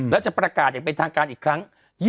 แล้วจะประกาศอย่างเป็นทางการอีกครั้ง